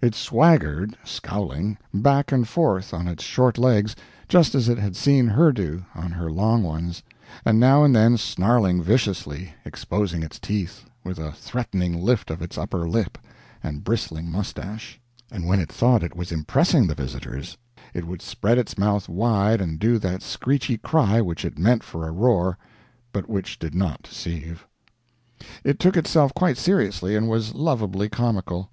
It swaggered, scowling, back and forth on its short legs just as it had seen her do on her long ones, and now and then snarling viciously, exposing its teeth, with a threatening lift of its upper lip and bristling moustache; and when it thought it was impressing the visitors, it would spread its mouth wide and do that screechy cry which it meant for a roar, but which did not deceive. It took itself quite seriously, and was lovably comical.